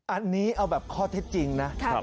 อันนี้เอาแบบข้อเท็จจริงนะ